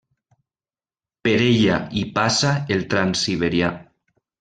Per ella hi passa el Transsiberià.